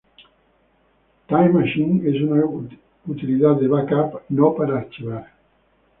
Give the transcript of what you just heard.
Time Machine es una utilidad de backup no para archivar.